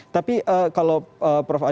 tapi kalau prof adi sedang berkata